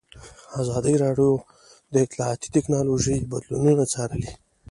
ازادي راډیو د اطلاعاتی تکنالوژي بدلونونه څارلي.